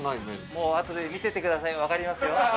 もうあとで見ててくださいわかりますよ。